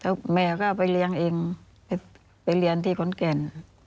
พ่อเขาเสียก็ไปแม่ก็ไปเรียงเองไปเรียนที่คนแก่น